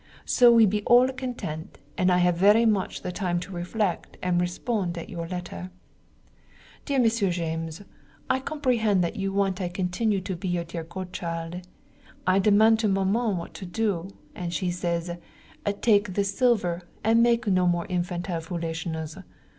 So we be all content and I have very much the time to reflect and respond at your letter. Dear Monsieur James, I comprehend that you want I continue be your dear godchild. I demand to Maman what I do, and she say: "Take the silver, and make no more infantile foolishness.